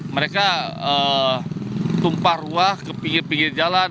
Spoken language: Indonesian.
mereka tumpah ruah ke pinggir pinggir jalan